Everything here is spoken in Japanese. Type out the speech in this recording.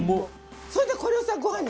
それでこれをさご飯に入れる。